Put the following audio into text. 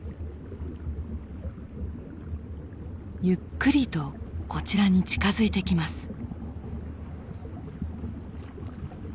ゆっくりとこちらに近づいてきます。